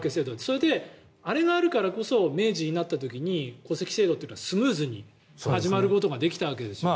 それで、あれがあるからこそ明治になった時に戸籍制度が、スムーズに始めることができたわけですよね。